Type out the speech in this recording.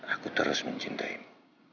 aku terus mencintaimu